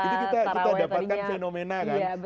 kita dapatkan fenomena kan